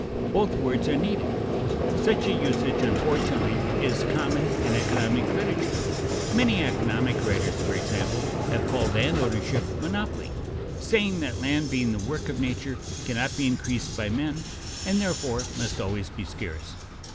Both words are needed. Such a usage unfortunately is common in economic literature. Many economic writers, for example, have called landownership monopoly, saying that land being the work of nature cannot be increased by men, and therefore must always be scarce.